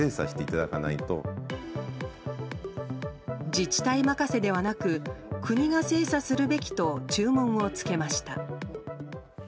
自治体任せではなく国が精査するべきと注文をつけました。